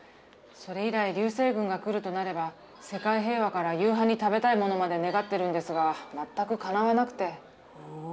それ以来流星群が来るとなれば世界平和から夕飯に食べたい物まで願ってるんですが全くかなわなくて。